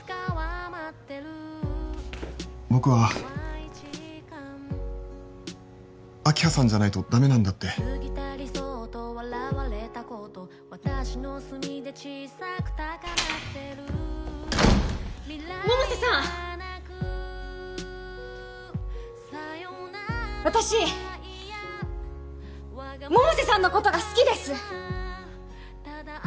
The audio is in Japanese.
僕は明葉さんじゃないとダメなんだって百瀬さん私百瀬さんのことが好きです！